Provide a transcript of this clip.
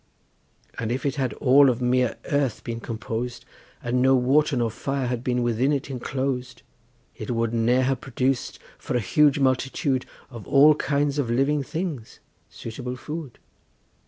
And if it had all of mere earth been compos'd, And no water nor fire been within it enclos'd, It could ne'er have produc'd for a huge multitude Of all kinds of living things suitable food.